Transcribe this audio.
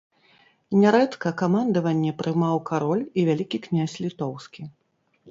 Нярэдка камандаванне прымаў кароль і вялікі князь літоўскі.